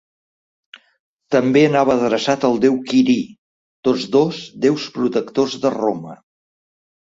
També anava adreçat al déu Quirí, tots dos déus protectors de Roma.